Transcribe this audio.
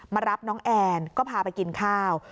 มารับน้องแอนก็พาไปกินข้าว